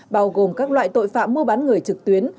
bao gồm các loại tội phạm mua bán người trực tuyến